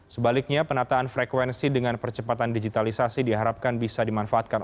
sebaliknya penataan frekuensi dengan percepatan digitalisasi diharapkan bisa dimanfaatkan